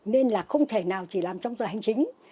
nên là không thể nào chỉ làm trong giờ hành chính